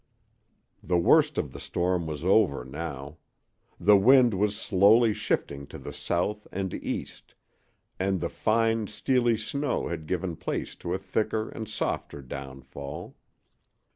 The worst of the storm was over now. The wind was slowly shifting to the south and east, and the fine, steely snow had given place to a thicker and softer downfall.